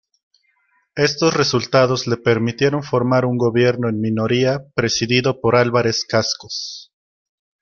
Estos resultados le permitieron formar un gobierno en minoría presidido por Álvarez-Cascos.